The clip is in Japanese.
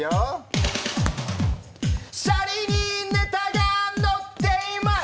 しゃりにネタがのっています！